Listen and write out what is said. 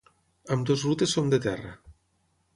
Ambdues rutes són de terra.